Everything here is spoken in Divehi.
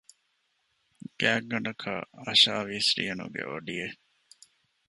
ގާތްގަނޑަކަށް އަށާވީސް ރިޔަނުގެ އޮޑިއެއް